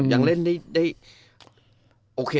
ยังเล่นได้โอเค